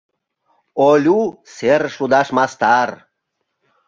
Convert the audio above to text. Олю серыш лудаш мастар.